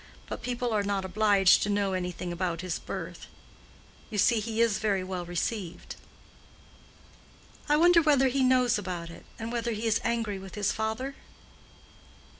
But people are not obliged to know anything about his birth; you see, he is very well received." "I wonder whether he knows about it; and whether he is angry with his father?"